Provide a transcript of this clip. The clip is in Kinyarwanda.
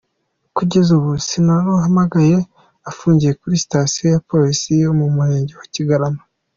Kugeza ubu Sinaruhamagaye afungiye kuri Sitasiyo ya Polisi yo mu murenge wa Kigarama.